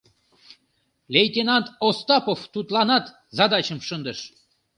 Лейтенант Остапов тудланат задачым шындыш...